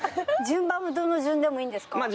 順番はどの順でもいいんですか？